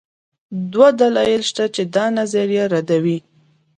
دوه دلایل شته چې دا نظریه ردوي